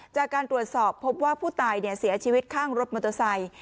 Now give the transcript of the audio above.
จากการตรวจสอบพบว่าผู้ตายเสียชีวิตข้างรถมอเตอร์ไซค์